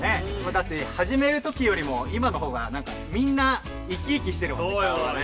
だってはじめる時よりも今のほうがみんな生き生きしてるもんね顔がね。